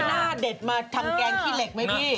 หน้าเด็ดมาทำแกงขี้เหล็กไหมพี่